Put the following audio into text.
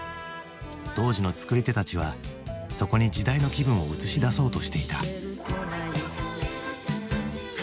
当時の作り手たちはそこに時代の気分を映し出そうとしていた。